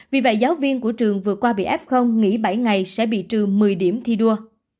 vì vậy giáo viên của trường vừa qua bị f nghỉ bảy ngày sẽ bị trừ một mươi điểm thi đua